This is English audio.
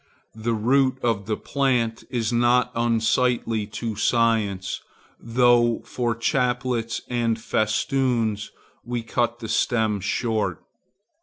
The root of the plant is not unsightly to science, though for chaplets and festoons we cut the stem short.